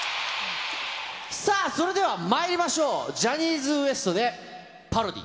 さあ、それではまいりましょう、ジャニーズＷＥＳＴでパロディ。